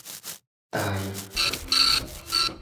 呆